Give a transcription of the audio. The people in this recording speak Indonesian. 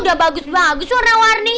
udah bagus bagus warna warni